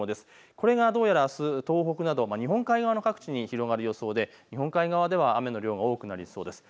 これがどうやらあす東北など日本海側の各地に広がる予想で日本海側では雨の量が多くなりそうです。